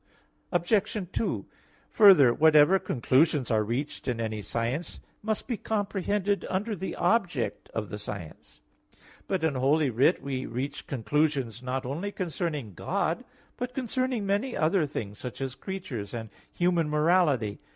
Obj. 2: Further, whatever conclusions are reached in any science must be comprehended under the object of the science. But in Holy Writ we reach conclusions not only concerning God, but concerning many other things, such as creatures and human morality.